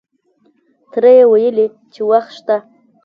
تره یې ویلې چې وخت شته.